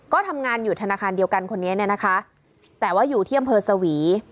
ก็ทำงานอยู่ธนาคารเดียวกันคนนี้เนี่ยนะคะแต่ว่าอยู่ที่อำเภอสวี